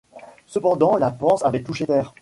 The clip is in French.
Cependant la panse avait touché terre.